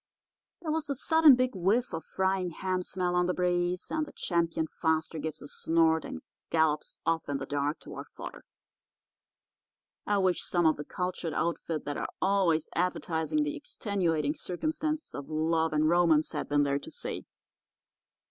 "There was a sudden big whiff of frying ham smell on the breeze; and the Champion Faster gives a snort and gallops off in the dark toward fodder. "I wish some of the cultured outfit that are always advertising the extenuating circumstances of love and romance had been there to see.